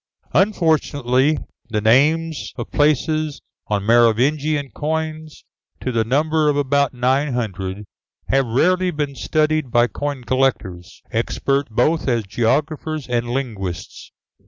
Unfortunately, the names of places on Merovingian coins to the number of about nine hundred, have rarely been studied by coin collectors, expert both as geographers and linguists.